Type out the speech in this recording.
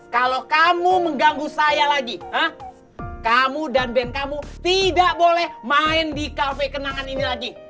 kalau kamu mengganggu saya lagi kamu dan band kamu tidak boleh main di kafe kenangan ini lagi